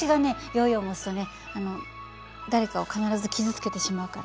ヨーヨー持つとねあの誰かを必ず傷つけてしまうから。